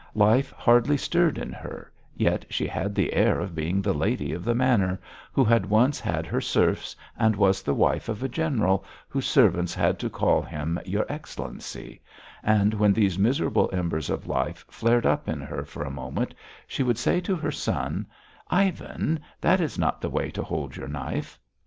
Life hardly stirred in her, yet she had the air of being the lady of the manor, who had once had her serfs, and was the wife of a general, whose servants had to call him "Your Excellency," and when these miserable embers of life flared up in her for a moment, she would say to her son: "Ivan, that is not the way to hold your knife!"